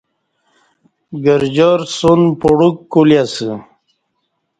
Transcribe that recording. گرجار سن پ وک کولی اسی